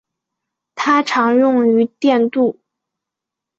它常用于电镀。